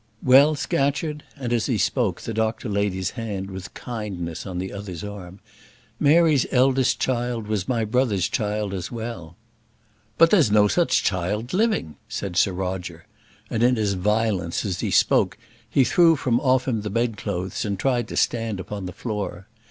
"Well, Scatcherd," and, as he spoke, the doctor laid his hand with kindness on the other's arm. "Mary's eldest child was my brother's child as well. "But there is no such child living," said Sir Roger; and, in his violence, as he spoke he threw from off him the bedclothes, and tried to stand upon the floor.